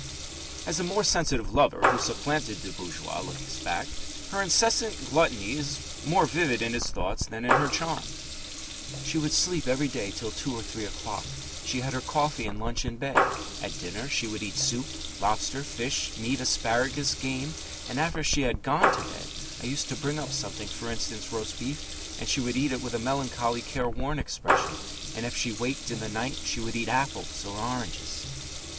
As the more sensitive lover who supplanted the bourgeois looks back, her incessant gluttony is more vivid in his thoughts than her charm: She would sleep every day till two or three o'clock; she had her coffee and lunch in bed. At dinner she would eat soup, lobster, fish, meat, asparagus, game, and after she had gone to bed I used to bring up something, for instance, roast beef, and she would eat it with a melancholy, careworn expression, and if she waked in the night she would eat apples or oranges.